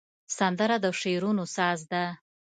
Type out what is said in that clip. سندره د شعرونو ساز ده